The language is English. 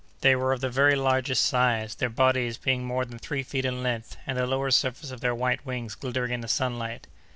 They were of the very largest size, their bodies being more than three feet in length, and the lower surface of their white wings glittering in the sunlight.